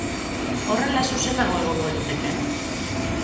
Horrela zuzenago egongo liteke.